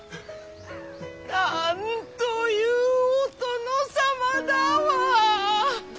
なんというお殿様だわ！